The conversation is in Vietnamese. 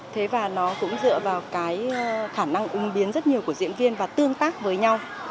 thế và nó cũng dựa vào cái khả năng ung biến rất nhiều của diễn viên và tương tác với nhau